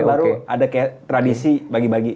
baru ada kayak tradisi bagi bagi